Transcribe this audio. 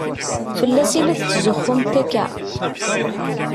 Fell-as i la tetzuxxumt akka?